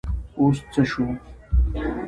اوس څه شو ؟